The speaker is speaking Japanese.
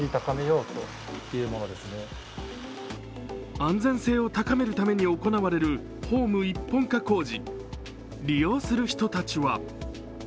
安全性を高めるために行われるホーム一本化工事。